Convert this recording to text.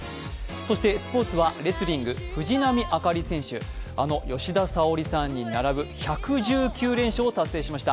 そしてスポ−ツはレスリング、藤波朱理選手、あの吉田沙保里さんに並ぶ１１９連勝を達成しました。